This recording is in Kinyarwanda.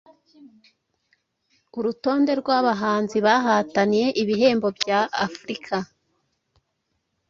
Urutonde rw'abahanzi bahataniye ibihembo bya Africa